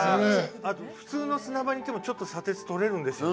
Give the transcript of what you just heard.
普通の砂場に行ってもちょっと砂鉄取れるんですよね。